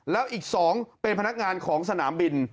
แล้วอีก๒เป็นพนักงานของสนามบิน